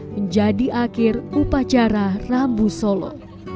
menjadi akhir upacara rambu solo